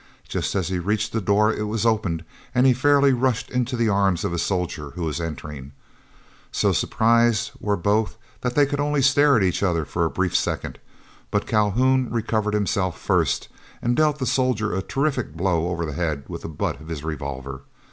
Just as he reached the door, it was opened, and he fairly rushed into the arms of a soldier who was entering. So surprised were both that they could only stare at each other for a brief second; but Calhoun recovered himself first, and dealt the soldier a terrific blow over the head with the butt of his revolver.